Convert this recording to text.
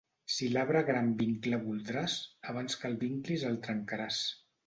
Si l'arbre gran vinclar voldràs, abans que el vinclis el trencaràs.